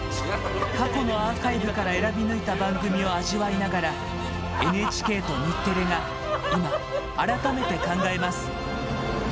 過去のアーカイブから選び抜いた番組を味わいながらＮＨＫと日テレが今、改めて考えます。